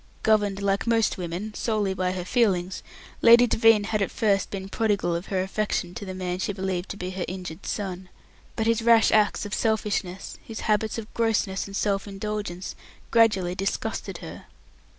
Governed, like most women, solely by her feelings, Lady Devine had at first been prodigal of her affection to the man she believed to be her injured son. But his rash acts of selfishness, his habits of grossness and self indulgence, gradually disgusted her.